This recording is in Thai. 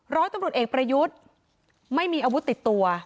ร้อยตำรวจเอกประยุทธ์ไม่มีอาวุธติดตัว